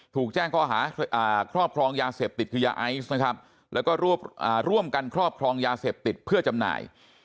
ถูกแจ้งข้อหาครอบครองยาเสพติดคือยาไอซ์นะครับแล้วก็ร่วมกันครอบครองยาเสพติดเพื่อจำหน่าย